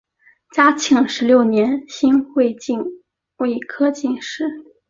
嘉庆十六年辛未科进士。